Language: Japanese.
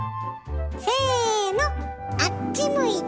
せのあっち向いてホイ！